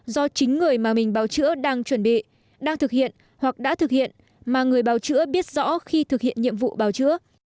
do chính người mà mình báo chữa đang chuẩn bị đang thực hiện hoặc đã thực hiện mà người báo chữa biết rõ khi thực hiện nhiệm vụ bào chữa